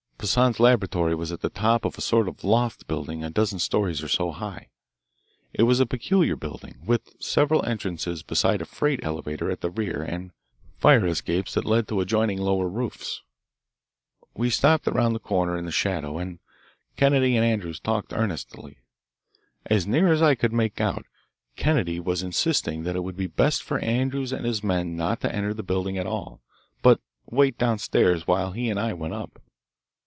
Poissan's laboratory was at the top of a sort of loft building a dozen stories or so high. It was a peculiar building, with several entrances besides a freight elevator at the rear and fire escapes that led to adjoining lower roofs. We stopped around the corner in the shadow, and Kennedy and Andrews talked earnestly. As near as I could make out Kennedy was insisting that it would be best for Andrews and his men not to enter the building at all, but wait down stairs while he and I went up.